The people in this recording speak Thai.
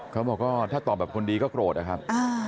เขาบอกก็ถ้าตอบแบบคนดีก็โกรธนะครับ